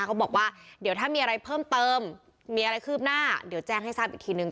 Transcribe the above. เขาบอกว่าเดี๋ยวถ้ามีอะไรเพิ่มเติมมีอะไรคืบหน้าเดี๋ยวแจ้งให้ทราบอีกทีนึง